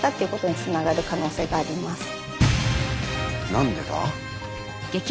何でだ？